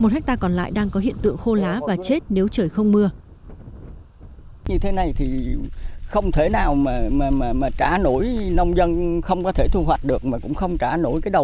một hectare còn lại đang có hiện tượng khô lá và chết nếu trời không mưa